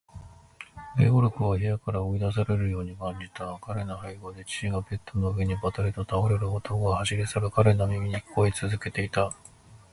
ゲオルクは部屋から追い出されるように感じた。彼の背後で父がベッドの上にばたりと倒れる音が、走り去る彼の耳に聞こえつづけていた。